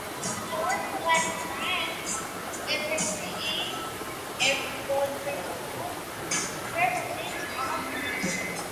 They brought with them their knowledge of farming and skills in making weapons.